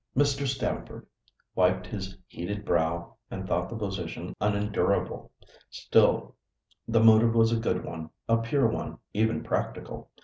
Mr. Stamford wiped his heated brow and thought the position unendurable. Still, the motive was a good one, a pure one, even practical.